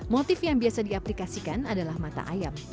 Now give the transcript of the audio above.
motif yang biasa diaplikasikan adalah mata ayam